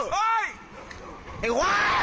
เฮ้ย